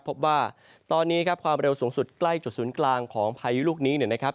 พบว่าตอนนี้ครับความเร็วสูงสุดใกล้จุดศูนย์กลางของพายุลูกนี้เนี่ยนะครับ